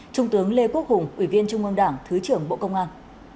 trung tướng lê quốc hùng ủy viên trung ương đảng thứ trưởng bộ công an